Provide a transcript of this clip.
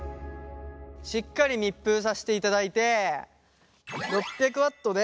しっかり密封させていただいて６００Ｗで１分。